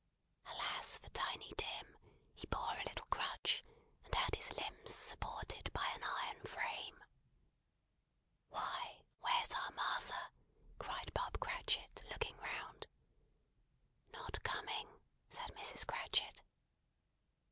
Alas for Tiny Tim, he bore a little crutch, and had his limbs supported by an iron frame! "Why, where's our Martha?" cried Bob Cratchit, looking round. "Not coming," said Mrs. Cratchit.